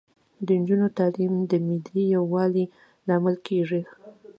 د نجونو تعلیم د ملي یووالي لامل کیږي.